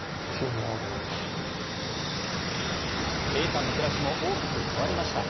Ａさんの暮らしも大きく変わりました。